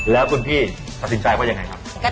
แล้วคุณพี่ตัดสินใจว่ายังไงครับ